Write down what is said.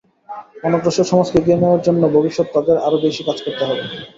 অনগ্রসর সমাজকে এগিয়ে নেওয়ার জন্য ভবিষ্যতে তাদের আরও বেশি কাজ করতে হবে।